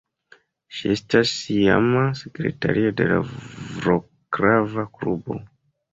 Ŝi estas iama sekretario de la Vroclava klubo.